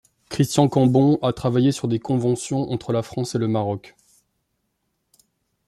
Christian Cambon a travaillé sur des conventions entre la France et le Maroc.